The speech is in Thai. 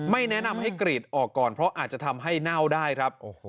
แนะนำให้กรีดออกก่อนเพราะอาจจะทำให้เน่าได้ครับ